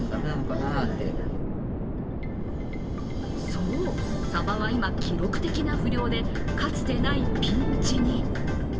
そう、サバは今、記録的な不漁でかつてないピンチに。